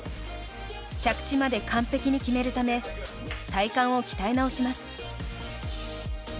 着地まで完璧に決めるため体幹を鍛え直します。